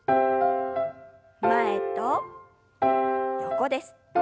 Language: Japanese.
前と横です。